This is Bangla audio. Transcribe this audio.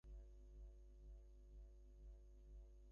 যখন ইহার বাপ মা কেহই নাই, তখন আমি ইহাকে কী করিয়া ত্যাগ করি।